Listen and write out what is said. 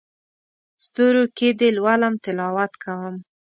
ستورو کې دې لولم تلاوت کوم